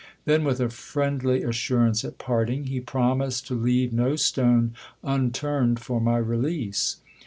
Then with a friendly assurance at parting, he promised to leave no stone un turned for my release.